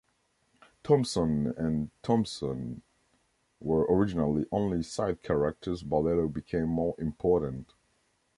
Thomson and Thompson were originally only side characters but later became more important.